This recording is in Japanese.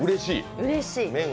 うれしい。